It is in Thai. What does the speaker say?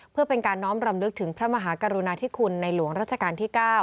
เพื่อเป็นการน้อมรำลึกถึงพระมหากรุณาธิคุณในหลวงรัชกาลที่๙